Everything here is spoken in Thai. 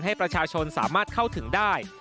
ให้ประชาชนสามารถเข้าถึงได้